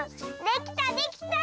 できたできた！